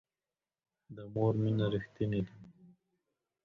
د مور مینه ریښتینې ده